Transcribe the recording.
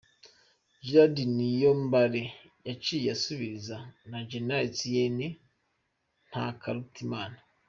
General Niyombare yaciye asubirizwa na Gen Etienne Ntakarutimana.